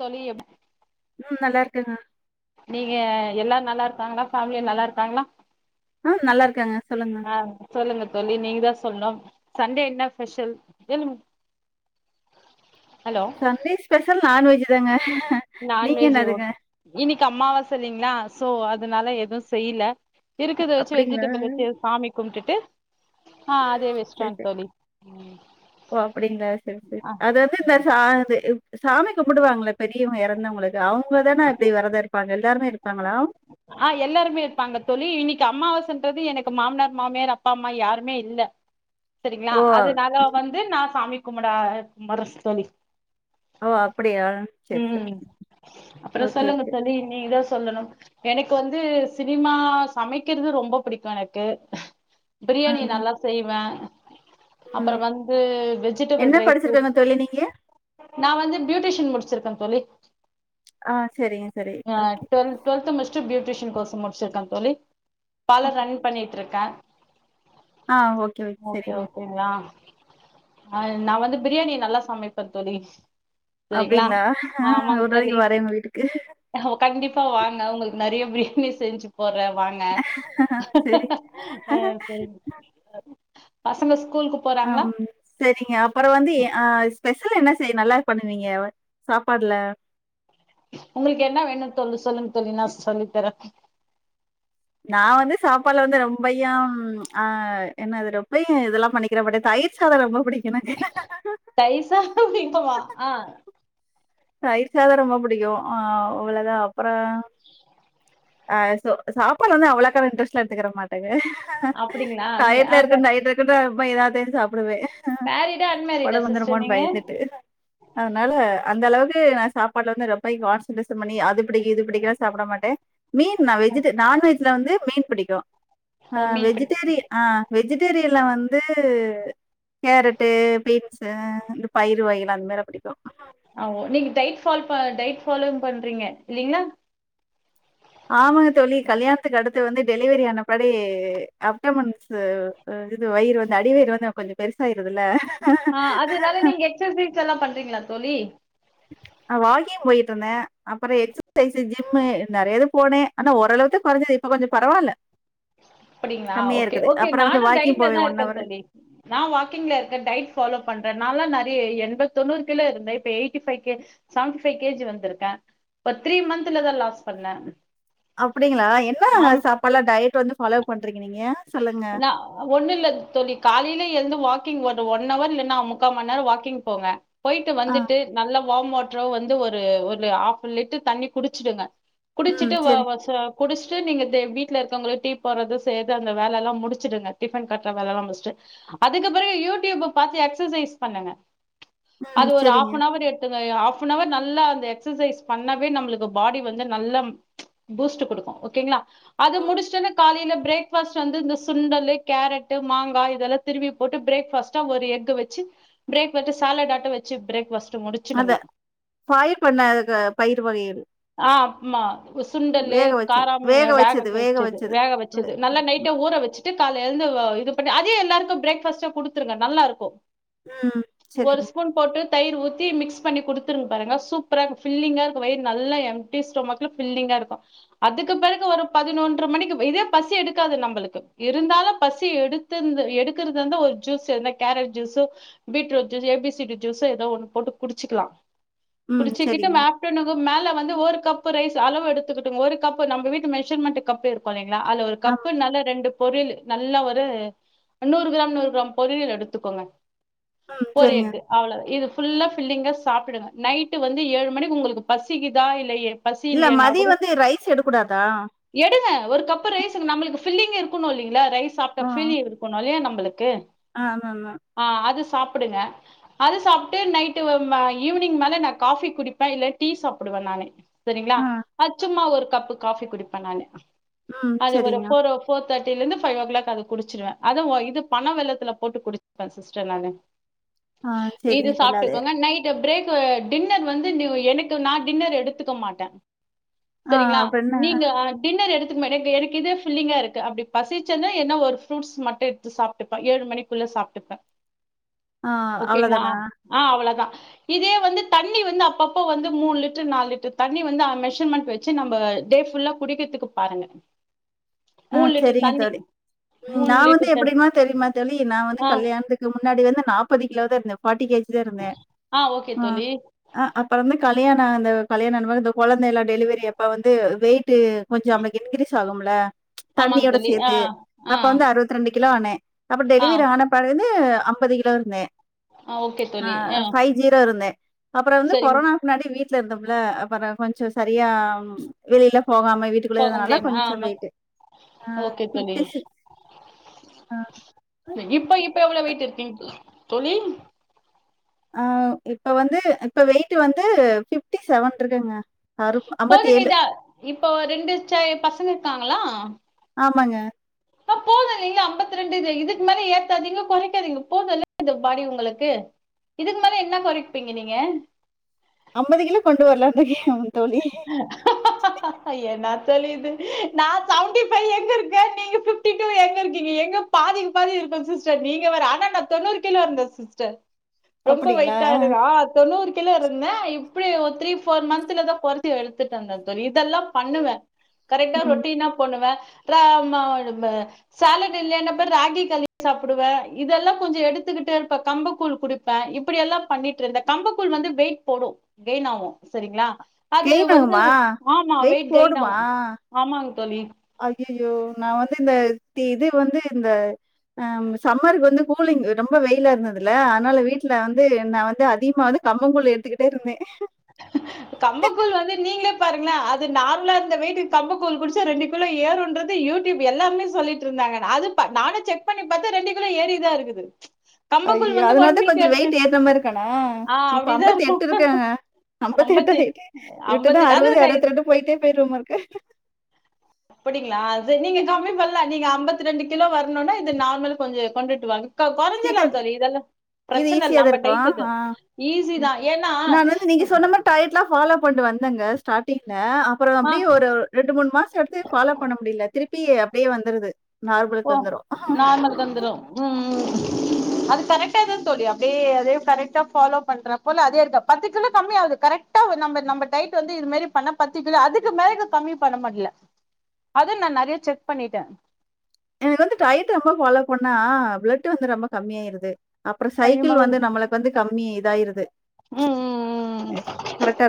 தொலயு ம் நல்லா இருக்கேங்க [unintelligible] நீங்க எல்லா நல்லா இருக்காங்ளா ஃபேமிலியா நல்லா இருக்காங்ளா ஆ நல்லா இருக்கேங்க சொல்லுங்க ஆ சொல்லுங்க தோழி நீங்க தா சொல்லுங்க சண்டே என்ன special hello Sunday special non veg தாங்க நீங்க நான்வெஜ் என்னதுங்க ஓகே இன்னைக்கு அமாவாசை இல்லேங்ளா சோ அதனால எதுவு செய்யல இருக்கத வெச்சு அப்டிங்களா வெஜிடபிள் ம். வச்சு சாமி கும்டுட்டு அ சரி சரி ஓ அப்டிங்ளா சரி சரி ஆ அது வந்து இந்த ஆது சாமி கும்பிடுவாங்கள பெரியவங்க இறந்தவங்களுக்கு அவுங்க தான இப்டி வெரத இருப்பாங்க எல்லாருமே இருப்பாங்களா ஆ எல்லாருமே இருப்பாங்க தோழி இன்னைக்கு அமாவாசைன்றது எனக்கு மாமனார் மாமியார் அப்பா அம்மா யாருமே இல்ல சரிங்ளா ஓ அதுனால வந்து நா சாமி கும்புட கும்புறே தோழி ஓ அப்டியா சேரி ம் சேரி ஓகே ஓகே சொல்லணும் எனக்கு வந்து சினிமா சமைக்குறது ரொம்ப பிடிக்கு எனக்கு ஆ பிரியாணி நல்லா செய்வே அப்ற ம் வந்து வெஜிடபிள் என்ன ரைஸ் படிச்சிருக்காங்க தோழி நீங்க நா வந்து பியூட்டிஷன் முடிச்ச முடிச்சிருக்கே தோழி ஆ செரிங்க செரி ஆ அ டுவெல் டுவெல்த் முடிச்சுட்டு பியூட்டிஷியன் கோர்ஸ் முடிச்ருக்கே தோழி பல ரன் பண்ணிட்டு இருக்கே ஆ ஓகே ஓகே சரிங்க அ நா வந்து பிரியாணி நல்லா சமைப்பே தோழி சரிங்களா அப்டிங்களா ஆ ஆமாங்க ஒரு தோழி நாளைக்கு வரேன் உங்க வீட்டுக்கு அ ஓ கண்டிப்பா வாங்க உங்களுக் நறைய பிரியாணி செஞ்சு போடற வாங்க அ சரிங்க சரி பசங்க ஸ்கூ அம் சரிங்க அப்பற வந்து ஸ்பெஷல் என்ன சரி நல்லா பண்ணுவீங்க சாப்பாடுல உங்களுக்கு என்ன வேணுன் கொஞ்ச சொல்லுங்க தோழி நா சொல்லி தரே நா வந்து சாப்பாடுலா வந்து ரொம்பையும் ஆ என்னது ரொம்ப இதெல்லா பண்ணிக்கிறே மாட்டே தயிர் சாதம் ரொம்ப பிடிக் தயிர் [unintelligible] தயிர் சாதம் ரொம்ப புடிக்கும் அவ்வளதா அப்புற ஆ சாப்பாடுல்லா வந்து அவ்ளக்கான இன்ட்ரெஸ்ட்ல எடுத்துக்கற மாட்டேங்க அப்டிங்களா டயட்ல அப்ப இருக்கே [unintelligible] இப்ப ஏதாவ பேசாப் சாப்பிடவே மேரிடா அன்மேரிடா உடம்ப சிஸ்டர் வந்துடுமோனு நீங்க பயந்துட்டு அதனால அந்த அளவுக் ந்து நா சாப்பாடுல வந்து ரொம்ப கான்சன்டரேஷன் பண்ணி அது படி இது பிடிக்கலா சாப்ட மாட்ட மீன் வெஜ் நான்வெஜ் ல வந்து மீன் பிடிக்கும் ஆ ஓ மீன் பிடி வெஜ்டேரியன் ஆ வெஜ்டேரியன் இல்ல வந்து கேரட்டு பீன்ஸ் இந்த பயிறு வகைல அந்த மார பிடிக்கும் அ ஓ நீங்க டைட் ஃபால் பா டைட் ஃபாலோங் பண்றீங்க இல்லீங்களா ஆமாங்க தோழி கல்யாணத்துக்கு அடுத்து வந்து டெலிவரி ஆன படி அப்டமன்ஸ் அ இது வயிறு வந்து அடிவயிறு வந்து கொஞ்ச பெருசாயிருது இல்ல ஆ அதுனால நீங்க எக்சசீஸ்ல்லா பண்றீங்களா தோழி அ வாக்கிங் போயிட்டு இருந்தே அப்புற எக்சசைஸ் ஜிம்மு நெறைய இது போனே ஆனா ஓரளவுத்த குறைஞ்சது இப்ப கொஞ்ச பரவால்ல அப்டிங்களா கம்மியா ஓகே இருக்குது. ஓகே அப்புறம் வந்து நானு வாக்கிங் டயட்ல தா போவேன் இருக்கே ஹவரு. தோழி நா வாக்கிங்ல இருக்க டயட் ஃபாலோ பண்றே நா லா நறைய எண்பத் தொண்ணூறு கிலோ இருந்தே இப்ப eighty five seven five KG வந்துருக்கே இப்ப த்ரீ மன்த்ல தா லாஸ் பண்ணே அப்டிங்களா என்ன ஆமா சாப்பாடு லா டயட் வந்து ஃபாலோ பண்றீங்க நீங்க சொல்லுங்க. ன ஒண்ணுல்ல தொழி காலைல எழுந்து வாக் வாக்கிங் வர ஒன் ஹவர் இல்லன்னா முக்காம் மணி நேரோ வாக்கிங் போங்க போயிட்டு ஆ. வந்துட்டு நல்லா வாம்வாட்ரோ வந்து ஒரு ஒரு ஹாஃப் லிட்டர் தண்ணி குடிச்சிடுங்க ம். குடிச்சிட்டு வா சரி. வாசா குடிச்சிட்டு நீங்க தே வீட்டுல இருக்கவங்களுக்கு டீ போட்றது சேய்ரது அந்த வேலெல்லா முடுச்சுடுங்க டிஃபன் கட்ர வேலலா முட்சிட்டு அதுக்கப்ரோ யூடுயூப பாத்து எக்ஸஸைஸ் பன்னுங்க அது ம். ஒரு சரிங்க. ஹாஃப்ஃபனவர் எடுத்து [unintelligible] ஹாஃபனவர் நல்லா அந்த எக்ஸஸைஸ் பண்ணாவே நம்ளுக்கு பாடி வந்து நல்ல பூஸ்ட்டு குடுக்கு ஓகேங்ளா அது முடிச்சுட்டு வந்து காலேல ப்ரேக்ஃபாஸ்டு வந்து சுண்டலு கேரட்டு மாங்கா இதல்லா திருவி போட்டு பிரேக்ஃபாஸ்டா ஒரு எஃக வச்சு பிரேக்ஃபாஸ்ட ஸாலடாட்ட வச்சு பிரேக்ஃபாஸ்ட் [unintelligible] அதான். முடிச்சடுங்க பயிர் பண்ண அதுக்கு பயிர் வகைகள் ஆ ஆமா சுண்டலு காராம ஆ வேக வச்சது வேக வச்சது நல்லா நைட்டே ஊற வச்சு கால்ல எழுந்து ஒ இது பண்ணி அதே எல்லாருக்கு பிரேக்ஃபாஸ்டா குடுத்துருங்க நல்லா இருக்கு உ சேரிங்க தயர் ஊத்தி மிக்ஸ் பண்ணி குடுத்து பாருங்க சூப்பரா இருக்குஃபில்லிங்கா இருக்கு வயிரு நல்லா எம்டி ஸ்டொமக்குல ஃபில்லிங்கா இருக்கு அதுக்கு பிறகு ஒரு பதினொன்ற மணிக்கு இதே பசி எடுக்காது நம்ளுக்கு இருந்தாலு பசி எடுத்து எடுக்கறதா இருந்தா ஒரு ஜூஸு எதுனா carrot juice beetroot juice A B C D ஜூஸோ ஏதோ ஒண்ணு போட்டு குடிச்சுக்கலா ம் குடிச்சுக்கட்டு சரிங்க மேஃப்டர்னு மேல வந்து ஒரு கப்பு ரைஸ் அளவு எடுத்துக்கிட்டு ஒரு கப்பு நம்ம வீட்டு மெஷர்மெண்ட் கப் இருக்குல்லே அதுல ஒரு அப் கப்பு நல்ல ரெண்டு பொரியலு நல்லா ஒரு நூறு கிராம் நூறு கிராம் பொரியல் எடுத்துக்கோங்க ம் ஒரு சரிங்க எக்கு அவ்ளதா இதுக் ஃபுல்லா ஃபில்லிங்கா சாப்டுடுங்க நைட்டு வந்து ஏழு மணிக்கு உங்களுக்கு பசிக்குதா இல்லயே பசி இல்ல இல்லையா நா கூட மதியம் வந்து ரைஸ் எடுக்கூடாதா எடுங்க ஒரு கப்பு ரைசுங்க நம்மளுக்கு பில்லிங்கா இரு க்கனுஇல் ல்ல ரைஸ் சாப்ட ஆ பீலி இருக்கு அதனாலயே நம்ம கு ஆ ஆமாமா ஆ அது சாப்புடுங்க அது சாப்ட்டு நைட்டு ஈவினிங் மேல நா காஃபி குடிப்பே இல்ல டீ சாப்டுவே நானு செரிங்களா ஆ அச்சும்மா ஒரு கப்புக்கு காஃபி குடிப்பே நானு ம் அது ஒரு சரிங்க ஃபோரோ ஃபோர்தேட்டிலருந்து ஃபைவ் ஓ க்ளாக் அது குடிச்சிருவே அத இது பனவெல்லத்துல போட்டு குடிச்சிருவே சிஸ்டர் நானு ஆ இது சரிங்க தோழி அது சாப்ட்டுக்கோங்க நைட்டு பிரேக் கு டின்னர் வந்து நீ எனக்கு நா டின்னர் எடுத்துக்க மாட்டே ஆ செரிங்களா அப்டின்னா நீங்க டின்னர் எடுத் மடக்கு அடிக்குது ஃபில்லிங்கா இருக் அப்டி பசிச்சுன என்ன ஒரு ஃப்ரூட்ஸ் மட்டு எடுத்து சாப்ட்டுப்பே ஏழு மணிக்குள்ள சாப்ட்டுப்பே ஆ ஓகேங்களா அவ்ளோதானா ஆ அவ்ளதா இதே வந்து தண்ணி வந்து அப்பப்ப வந்து மூன்லிட்டர் நால் லிட்டர் தண்ணி வந்து மெஷர்மெண்ட் வச்சு நம்ப டே ஃபுல்லா குடிக்கிறதுக்கு பாருங்க ஆ மூணு லிட்டர் செரிங்க தண்ணி தோழி ம் மூணு நா வந்து லிட்டர் தண் எப்டின்ன தெரிம்மா தோழி நா வந்து ஆ கல்யாணத்துக்கு முன்னாடி வந்து நாற்பது கிலோ தா இருந்த ஃபாட்டி கே ஜி தா இருந்தே ஓகே ஆ தோழி அ அப்பற ந்து கால் கல்யாண ஆன அந்த கல்யாணம் இந்த கொழந்த எல்லா டெலிவரி அப்ப வந்து வெயிட்டு கொஞ்ச நம்மளுக்கு இன்கிரீஸ் ஆகும்ல ஆமாங்க தண்ணியோட தோழி ஆ சேத்து ஆ அப்ப வந்து அறுபத்ரெண்டு கிலோ ஆனே அப்பற ஆ டெலிவரி ஆனப்ப க்கு அம்பது கிலோ இருந்தே ஆ ஓகே ஆ தோழி ஃபைவ் ஜீரோ இருந்தே அப்பற வந்து சரிங்க கொரனாக்கு முன்னாடி வீட் வீட்ல இருந்தம்ல அப்பற கொஞ்ச சரியா வெளில போகாம வீட்டுக்குள்ளே இருந்ததுனால கொஞ்ச வெயிட் ஓக்கே தோழி அ இப்ப இப்ப எவ்ள வெயிட்டு இருக்கீங்க தோழி தோழி ஆ இப்ப வந்து இப்ப வெயிட்டு வந்து ஃபிப்டிசெவன் இருக்கங்க போதுங்கதா இப்போ ரெண்டுச்ச பசங்க இருக்காங் ளா ஆமாங்க ஆ போது லிங்களா அம்பத்திரெண்டு இதுக்கு மேல ஏத்தாதீங்க கொறைக்காதீங்க போதுல்ல இந்த பாடி உங்களுக்கு இதுக்கு மேல என்ன கொறைப்பீங்க நீங்க அம்பது கிலோ கொண்டு வர்லான் இருக்கே தோழி என்ன தெளியிது நா செவென்டி ஃபைவ் எங்க இருக்கே நீங்க ஃபிப்டிடு எங்கருக்கீங்க எங்க பாதிக்கு பாதி இருக்கே சிஸ்டர் நீங்க வேற ஆனா நா தொண்ணூறு கிலோ இருந்தன் சிஸ்டர் ரொம்ப அப்டிங்களா வெயிட்டா இருகா ஆ தொண்ணூறு கிலோ இருந்தே இப் எப்டியு ஒரு த்ரீ ஃபோர் மந்த்துல தா கொறச்சு எடுத்துட்டுட்டாங்க தோழி இதெல்லா பண்ணுவேன் கரெக்டா ம் ரொட்டினா பண்ணுவே [unintelligible] சேலெட் இல்லயெனாகூட ராகி களி சாப்டுவே இதெல்லா கொஞ்சோ எடுத்துக்கிட்டு இப்ப கம்புக்கூழ் குடிப்பே இப்டியெல்லா பண்ணிட்ருந்தே கம்புக்கூழ் வந்து வெயிட் போடு கெயின் ஆகு சரிங்ளா அது கெயின் வந்து ஆகுமா ஆமா வெயிட் கெயின் ஆகு ஆமா தோழி அய்யயோ நா வந்து இந்த இது வந்து இந்த அ சம்மர் வந்து கூலிங் ரொம்ப வெயிலாருந்ததுல அதனால வீட்ல வந்து நா வந்து அதிகமா வந்து கம்பங் கூழ் எடுத்துகிட்டேருந்தே கம்பங்கூழ் வந்து நீங்ளே பாருங்ளே அது நார்மலா இருந்த வெய்டு கம்மங்கூழ் குடிச்சா ரெண்டு கிலோ ஏறோன்றது யூடியூப் எல்லாமே சொல்லிட்ருந்தாங்க அது ப நானு செக் பண்ணி பாத்தா ரெண்டு கிலோ ஏறிதாருக்குது அய்யோ அதனால தா கொஞ்ச வெயிட் ஏற்ன மாரி இருக்கனா ஆ இப்ப அப்டிதா அம்பத்தி இருக்கு எட்டு இருக்கேங்க அம்பத்து அம்பத்தி எட்டுது எட்டு இப்பதா அம்பத்தி எட்டு அறுபது அதுங்க அறுவத்ரெண்டு போய்ட்டே போயிருவமாருக்கு அப்டிங்ளா அது நீங்க கம்மி பண்லா நீங்க அம்பெத்ரெண்டு கிலோ வரணுனுனா இது நார்மல் கொஞ்சோ கொண்டுட்டு வாங்க கா கொறஞ்சிருலா சீக்கிரம் தோழி இதெல்லா இது பிரச்சன ஈஸியா இல்ல தான் ஆமா டை இருக்கும். கட்டுவே ஆ. ஈஸி தா ஏன்னா கொண்டு வந்தங்க ஸ்டாட்டிங்ல அ அப்றோ ஆ அப்டியே ஒரு ரெண்டு மூனு மாச எடுத்து பாலோ பண்ண முடில திருப் டி அப்டே வந்துருது ஓ நார்மலுக்கு வந்துரும். நார்மளுக்கு வந்துரு உம்ம் அது கரெக்டாதா தோழி அப்டியே அதே கரெக்டா ஃபாலோ பண்றப்பல அதே இருக்கா பத்து கிலோ கம்மியாகுது கரெக்டா நம்ம நம்ம டயட்டு வந்து இது மாரி பண்ணா பத்து கிலோ அதுக்கு மேலஇத கம்மி பண்ண முடில அத நா நெறய செக் பண்ணிட்டே எனக்கு வந்து டயட் ரொம்ப ஃபாலோ பண்ணா பிளெட் வந்து ரொம்ப கம்மியாயிருது அப்ற ஐயோ சைக்கிள் வந்து நம்மளுக்கு வந்து கம்மி இதாய்ருது உம்- உம்-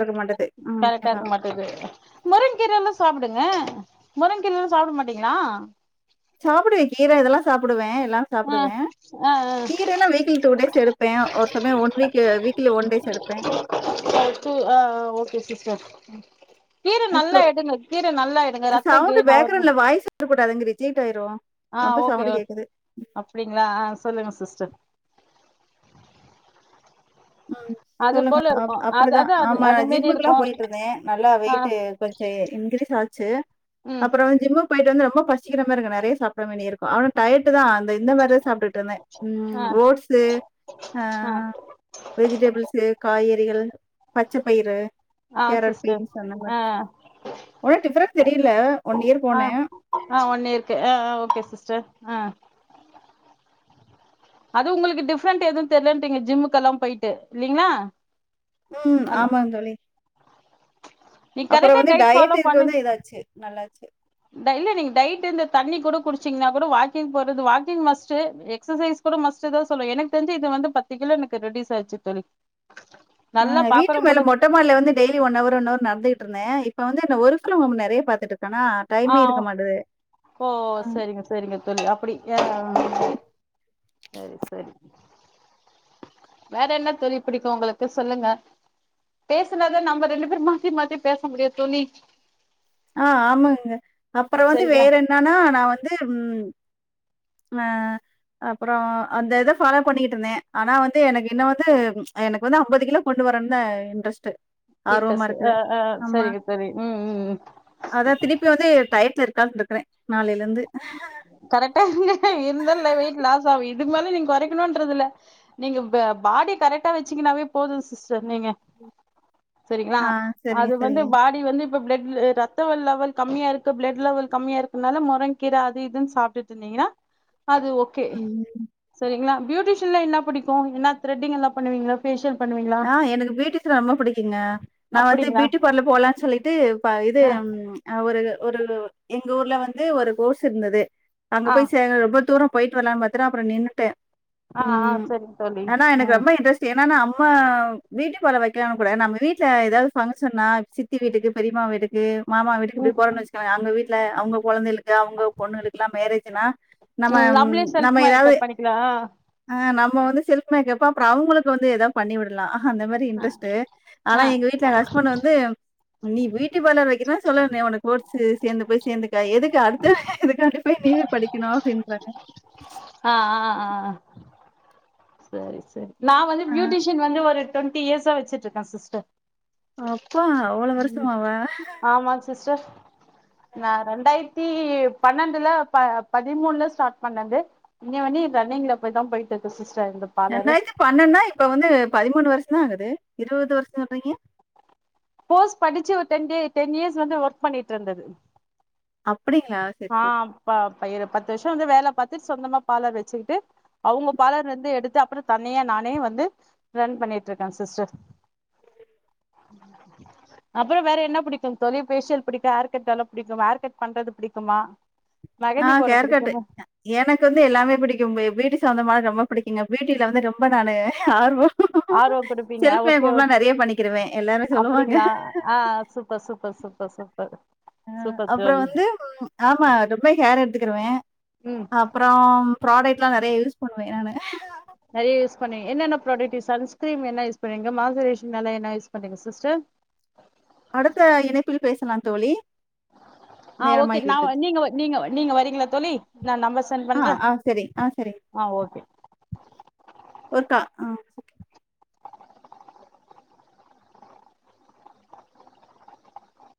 இருக்க மாட்டது. ம் கரெக்டா இருக்க அதான். மாட்டுது முருங்கீரலா சாப்டுங்க முருங்கீரலா சாப்ட மாட்டீங்ளா சாப்டுவே கீர இதெல்லா சாப்டுவே லா ஆ சாப்டுவே ஆ கீரெலா வீக்லி டூ டேஸ் எடுப்பே ஒரு சமய one week weekly one days எடுப்பே ம் [inaudible] கீர நல்லா எடுங்க கீர நல்லா எடுங்க ரத்தோ கெயின் ஆகட்டு கூடா [unintelligible] ரிஜெக்ட் ஆய்ரு ஆ ஓகே ஓ அப்டிங்ளா ஆ சொல்லுங்க சிஸ்டர் ம் அது சொல்லுங்க போல இருக்கு அது அப்டிதா அதா அது ஆமா நா அது மாரி இருக்கு ஜிம்முக்குலா போய்டுருந்தே நல்லா ஆ வெயிட் கொஞ்ச இன்கிரீஸ் ஆச்சு ம் அப்றோ ஜிம்முக்கு போய்ட்டு வந்து ரொம்ப பசிக்கிற மாரி இரு நெறய சாப்ற மாரி இருக்கு ஆனா டயட் கரட்டு தா அந்த இந்த மாரிதா சாப்டுட்டு இருந்தே உம் ஆ ஓட்ஸு ஆ வெஜிடபிள்சு காய்கறிகள் பச்ச பயிறு ஆ கேரட், சிஸ்டர் பீன்ஸ் அந்த ஆ மாரி. ஒன்னும் டிஃபரன்ஸ் தெரியல. ஒன் இயர் ஆ போனேன். ஆ ஒன்னியர்க்கு ஆ ஆ ஓகே சிஸ்டர் ஆ அது உங்களுக்கு டிஃப்ரெண்ட் எதுவு தெரியலட்டீங்க ஜிம்முக்கெல்லா போய்ட்டு இல்லைங்களா ம் ஆமாங் தோழி நீ அப்புற கரெக்டா வந்து டயட் டயட்டு இருக்கிறதுதா ஏதாச்சு நல்லா ச டெய்லரிங் டைட் இந்த தண்ணி கூட குடிச்சீங்கன்னா கூட வாக்கிங் போறது வாக்கிங் மஸ்ட் எக்ஸசைஸ் கூட மஸ்ட் தா சொல்ல எனக்கு தெரிஞ்சு இது வந்து பத்து கிலோ எனக்கு ரெடியூஸ் ஆச்சு தோழி ஆ நல்லா வீட்டு பாக்குறவங்க மேல கூட மொட்டமாட்ல வந்து டெய்ல ஒன்னவர் ஒன்னவர் நடந்துட்டு இருந்தே இப்ப வந்துன ஒருட்டு நெறைய பாத்துட்டு ட்டனா ஆ டைமே இருக்க மாட்டுது ஓ சரிங்க சரிங்க தோழி அப்படி ஆ அ சரி சரி வேற என்ன தோழி பிடிக்கு உங்களுக்கு சொல்லுங்க பேசுனாதா நம்ம ரெண்டு பேரு மாத்தி மாத்தி பேச முடியு தோழி ஆ ஆமாங்க அப்பற வந்து சரிங்களா வேற என்னன்னா நா வந்து ம் ஆ அப்ற அந்த இத ஃபாலோ பண்ணிக்கிட்டு இருந்தே ஆனா வந்து எனக்கு இன்னு வந்து எனக்கு வந்து அம்பது கிலோ கொண்டு வரந்த இன்ட்ரெஸ்டு இண்ட்ரஸ்ட் ஆ ஆ சரிங்க சரி ம் ம் அதா திருப்பி வந்து டயர்ல இருக் தா இருக்றே கரெக்டா இரு இருந்தல வெயிட் லாஸ் ஆவு இதுக் மேல நீங்க குறைக்கணுன்றதுல்ல நீங்க பாடி கரெக்டா வச்சுகுனாவே போது சிஸ்டர் நீங்க சரிங்களா ஆ சரிங்க, அது வந்து சரிங்க. வாடி வந்து ப்ப ப்ளட் ரத்த ல்லெவல் கம்மியா இருக்கு ப்ளட் லெவல் கம்மியா இருக்குனால முறங்கி கீர அது இதுன் சாப்ட்டுட்ருந்தீங்கன்னா அது ஓகே ம். சரிங்களா பியூட்டஷன்ல என்ன புடிக்கு என்ன த்ரெட்டிங்ல்லா பண்ணீங்கள பேஷியல் ஆ எனக்கு பியூட்டீசன் ரொம்ப புடிக்குங்க நா வந்து அப்படிங்களா பியூட்டி பார்லர் போலாம்னு சொல்லிட்டு ப இது ஆ ஒரு ஒரு எங்க ஊர்ல வந்து ஒரு கோர்ஸ் இருந்தது அங்க ஆ போய் சேர ரொம்ப தூரோ போய்ட்டு வல்லா பாத்தன அப்ற நின்னுட்ட ஆ ஆ சரி தோழி ம் ரொம்ப இன்ட்ரெஸ்ட். ஏன்னா, நம்ம பியூட்டி பார்லர் வைக்கலாம்னு கூட நம்ம வீட்ல ஏதாவது ஃபங்க்ஷன்னா சித்தி வீட்டுக்கு பெரியமா வீட்டுக்கு மாமா வீட்டுக்கு இப்டி ம் போறன் வச்சுக்குங்க அங்க வீட் ல அவங்க கொழந்தைய்ளுக்கு அவங்க பொண்ணுளுக்கு எல்லாம் மேரேஜுனா நம்ம ம் நம்மளே செல்ஃப் நம்ம ஏதாவது மேக்கப் பண்ணிக்கலா அ நம் நம்ம வந்து செல்ஃப் மேக்கப்பா அப்றொ அவங்களுக்கு வந்து எதா பண்ணி விடலா அந்த மாரி இன்ட்ரஸ்ட்டு ஆனா ஆ எங்க வீட்டுல எங்க ஹஸ்பண்ட் வந்து நீ பியூட்டி பார்லர் வக்கனா சொல்லே உன்ன கோர்ஸ் சேர்ந்து போய் சேர்ந்துக்க எதுக்கு அடுத்த எதுக்காண்டி போய் நீவே படிக்கணு அப்படின்றாங்க ஆ ஆ ஆ சரி சரி நா வந்து ஆ. பியூட்டிஷியன் வந்து ஒரு டொண்ட்டி இயர்ஸா வச்சிட்றுக்கே சிஸ்டர் ஆ உ ஆமா சிஸ்டர் நா ரெண்டாயிரத் தி பன்னெண்டுல பதிமூணுல ஸ்டார்ட் பண்ணது இன்ன வடரி ரன்னிங்ல போய் தா போயிட்டு இருக்கு சிஸ் ரென்டாய்த்தி பண்ணனா இப்ப வந்து பதிமூணு வருஷ தா ஆகுது இருவது வருஷோ சொல்றீங்க கோர்ஸ் படிச்சு ஒரு டென் டே டென் இயர்ஸ் வந்து ஒர்க் பண்ணிட்டு இருந்தது அப் ஆ அப்ப பயிர பத் வருஷ வந்து வேலப்பாத்துட்டு சொந்தமா பாலர் வச்சுட்டு அவுங்க பாலர்ல இருந்து எடுத்து அப்றோ தனியா நானே வந்து ரன் பன்னிட்ருக்கே சிஸ்டர் அப்ரொ வேர என்ன புடிக்கு தொழி ஃபேஷியல் புடிக்கு ஹேர்கட் டெவலப் புடிக்கு ஹேர்கட் பன்றது புடிக்கு குமா ஆ கேர்கட்டு எனக்கு வந்து எல்லாமே பிடிக்குங்க வீட்டு சம்மந்தமாகுர ரொம்ப புடிக்குங்க பியூட்டி ல வந்து ரொம்ப நானு ஆர்வோ ஆர்வம் குடுப்பீங்க ஆ ஓகே ஓக் பண்ணிக்கிருவேன் எல்லாரும் சொல்லுவாங்க அப்படிங்களா ஆ சூப்பர் சூப்பர் சூப்பர் சூப்பர் அ சூப்பர் அப்புறொ தோழி வந்து ஆமா ரொம்ப ஹேர் எடுத்துக்கிருவெ ம் அப்பறொ ப்ராடக்ட்லா நெறையா யூஸ் பண்ணுவே நானு நிறையா யூஸ் பண்வீங்க என்னன்ன ப்ராடக்ட் யூஸாகு சன்ஸ்கிரீம் என்ன யூஸ் பண்வீங்க மாசரேஷன் என்ன யூஸ் பண்ணீங்க சிஸ்டர் அடுத்த இணைப்பில் பேசலா தோழி ஆ ஓகே நேரமாகி நா விட்டது நீங்க நீங்க நீங்க வரீங்களா தோழி நா நம்பர் சென்ட் ஆ பண்றே ஆ சரி ஆ ஆ ஓகே ஒருக்கா ஆ